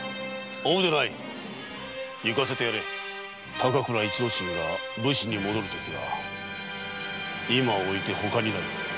高倉市之進が武士に戻るときは今をおいてほかにない。